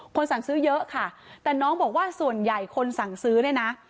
สั่งซื้อเยอะค่ะแต่น้องบอกว่าส่วนใหญ่คนสั่งซื้อเนี่ยนะ